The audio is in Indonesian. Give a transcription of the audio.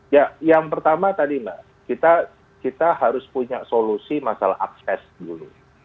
ya yang pertama tadi mbak kita harus punya solusi masalah akses dulu